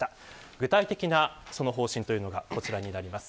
具体的な方針というのがこちらになります。